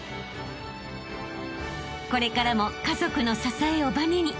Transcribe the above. ［これからも家族の支えをばねに］